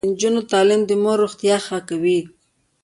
د نجونو تعلیم د مور روغتیا ښه کوي.